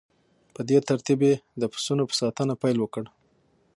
په دې ترتیب یې د پسونو په ساتنه پیل وکړ